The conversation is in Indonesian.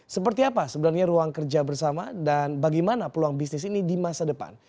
seperti apa sebenarnya ruang kerja bersama dan bagaimana peluang bisnis ini di masa depan